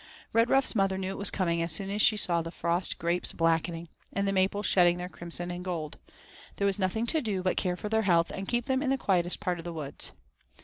Redruff's mother knew it was coming as soon as she saw the frost grapes blackening, and the maples shedding their crimson and gold. There was nothing to do but care for their health and keep them in the quietest part of the woods.